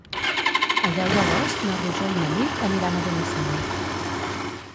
El deu d'agost na Rosó i na Nit aniran a Benassal.